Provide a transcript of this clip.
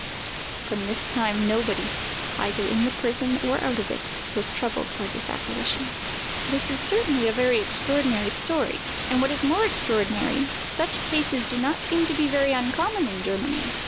From this time, nobody, either in the prison or out of it, was troubled with this apparition. This is certainly a very extraordinary story; and what is more extraordinary, such cases do not seem to be very uncommon in Germany.